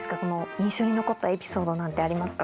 印象に残ったエピソードなんてありますか？